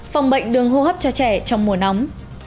phòng bệnh đường hô hấp cho trẻ trong mùa nóng